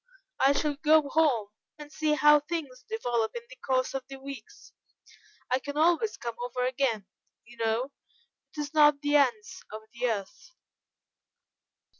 I shall go home and see how things develop in the course of the weeks. I can always come over again, you know; it is not the ends of the earth."